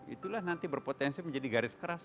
itulah nanti berpotensi menjadi garis keras